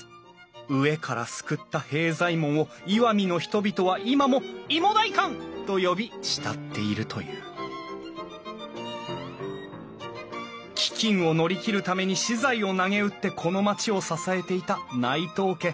飢えから救った平左衛門を石見の人々は今もいも代官と呼び慕っているという飢饉を乗り切るために私財をなげうってこの町を支えていた内藤家。